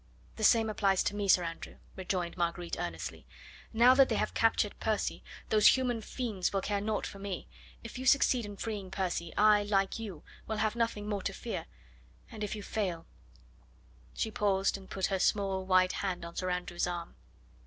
"The same applies to me, Sir Andrew," rejoined Marguerite earnestly. "Now that they have captured Percy, those human fiends will care naught for me. If you succeed in freeing Percy I, like you, will have nothing more to fear, and if you fail " She paused and put her small, white hand on Sir Andrew's arm.